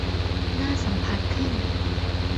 น่าสัมผัสขึ้น